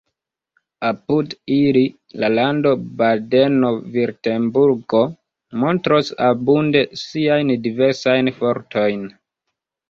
Apud ili la lando Badeno-Virtenbergo montros abunde siajn diversajn fortojn.